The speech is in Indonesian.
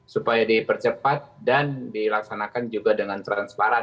supaya dipercepat dan dilaksanakan juga dengan transparan